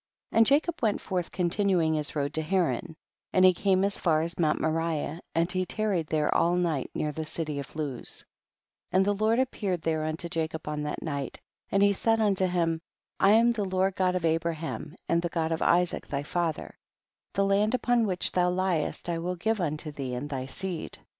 And Jacob went forth continu ing his road to Haran, and he came as far as mount Moriah, and he tar ried there all night near the city of Luz; and the Lord appeared there unto Jacob on that night, and he said unto him, I am the Lord God of Abraham and the God of Isaac thy father ; the land upon which thou liest I will give unto thee and thy seed.